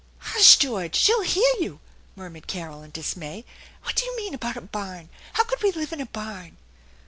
" Hush, George ! She'll hear you !" murmured Carol in dismay. " What do you mean about a barn ? How could we live in a barn